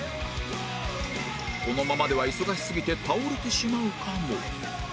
このままでは忙しすぎて倒れてしまうかも